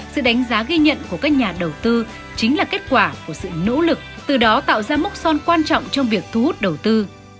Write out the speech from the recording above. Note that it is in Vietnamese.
sự đánh giá ghi nhận của các nhà đầu tư chính là kết quả của sự nỗ lực từ đó tạo ra mốc son quan trọng trong việc thu hút đầu tư